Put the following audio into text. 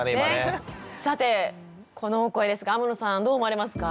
さてこのお声ですが天野さんどう思われますか？